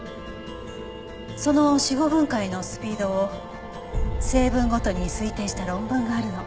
その死後分解のスピードを成分ごとに推定した論文があるの。